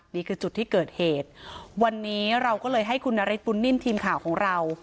นี่คือจุดที่เกิดเหตุวันนี้เราก็เลยให้คุณนฤทธบุญนิ่มทีมข่าวของเรา